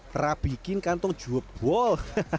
terap bikin kantong jubol